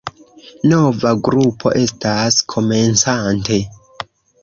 Nova grupo estas komencante.